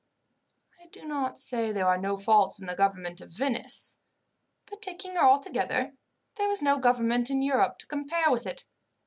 "I do not say there are no faults in the government of Venice, but taking her altogether there is no government in Europe to compare with it.